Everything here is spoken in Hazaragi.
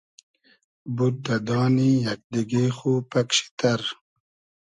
بود دۂ دانی یئگ دیگې خو پئگ شی تئر